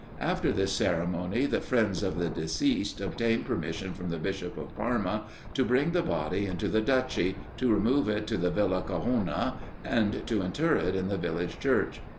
After this ceremony, the friends of the deceased obtained permission from the Bishop of Parma to bring the body into the Duchy, to remove it to the Villa Gajona, and to inter it in the village church.